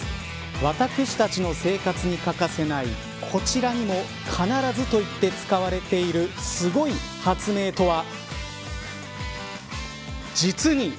私たちの生活に欠かせないこちらにも必ずといっていいほど使われているすごい発明とは。